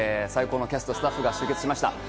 最高のキャスト、スタッフが集結しました。